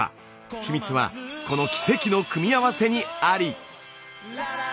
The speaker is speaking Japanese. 秘密はこの奇跡の組み合わせにあり。